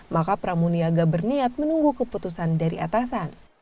maka pramuni agak berniat menunggu keputusan dari atasan